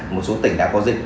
một số tỉnh đã có dịch